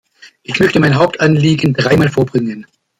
Ich möchte mein Hauptanliegen dreimal vorbringen.